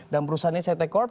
dan perusahaannya cete corp